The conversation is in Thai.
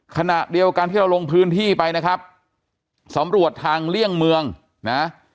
ขณะเดียวกันที่เราลงพื้นที่ไปนะครับสำรวจทางเลี่ยงเมืองนะ